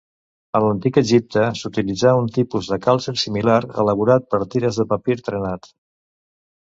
En l'Antic Egipte s'utilitzà un tipus de calcer similar, elaborat amb tires de papir trenat.